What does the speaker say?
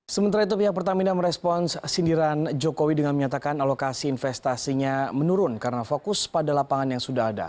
sementara itu pihak pertamina merespons sindiran jokowi dengan menyatakan alokasi investasinya menurun karena fokus pada lapangan yang sudah ada